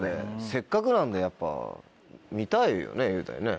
せっかくなのでやっぱ見たいよね雄大ね。